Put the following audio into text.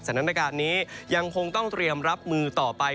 สถานการณ์นี้ยังคงต้องเตรียมรับมือต่อไป